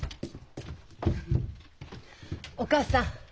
お義母さん！